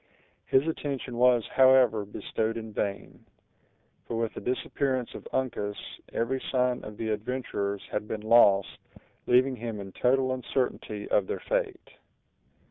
His attention was, however, bestowed in vain; for with the disappearance of Uncas, every sign of the adventurers had been lost, leaving him in total uncertainty of their fate.